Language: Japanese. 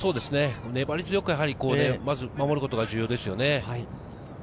粘り強く守ることが重要ですよね。